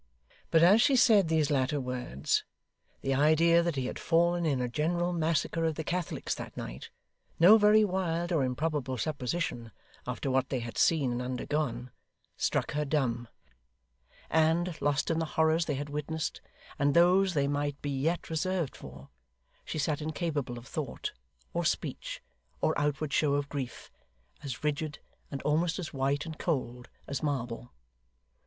But as she said these latter words, the idea that he had fallen in a general massacre of the Catholics that night no very wild or improbable supposition after what they had seen and undergone struck her dumb; and, lost in the horrors they had witnessed, and those they might be yet reserved for, she sat incapable of thought, or speech, or outward show of grief: as rigid, and almost as white and cold, as marble.